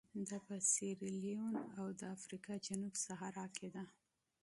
دا په سیریلیون او د افریقا جنوب صحرا کې ده.